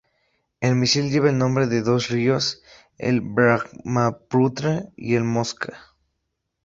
El misil lleva el nombre de dos ríos, el Brahmaputra y el Moskva.